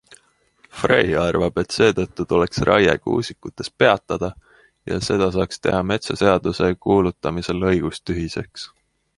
Frey arvab, et seetõttu tuleks raie kuusikutes peatada ja seda saaks teha metsaseaduse kuulutamisel õigustühiseks.